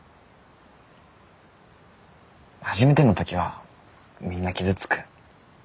初めての時はみんな傷つく。